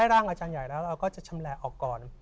ร่างอาจารย์ใหญ่แล้วเราก็จะชำแหละออกก่อน